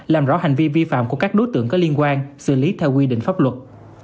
làm rõ hành vi vi phạm của các đối tượng có liên quan xử lý theo quy định pháp luật